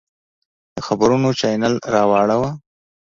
د خبرونو چاینل راواړوه!